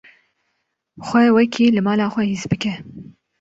Xwe wekî li mala xwe his bike.